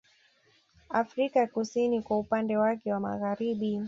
Afrika kusini kwa upande wake wa magharibi